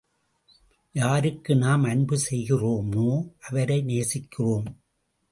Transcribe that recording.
யாருக்கு நாம் அன்பு செய்கிறோமோ, அவரை நேசிக்கிறோம்.